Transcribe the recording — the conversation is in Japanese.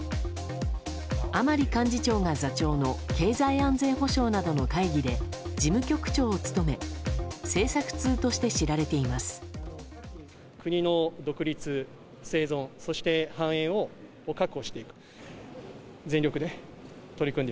甘利幹事長が座長の経済安全保障の会議で事務局長を務め政策通として知られています。